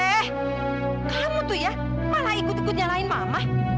eh kamu tuh ya malah ikut ikut nyalain mama